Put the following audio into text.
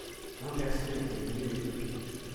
Vingt personnes étaient venues l’écouter.